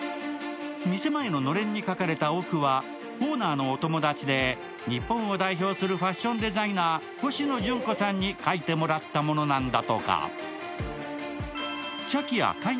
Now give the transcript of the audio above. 店前ののれんに書かれた「おく」はオーナーのお友達で、日本を代表するファッションデザイナーコシノジュンコさんに書いてもらったものなんだとか。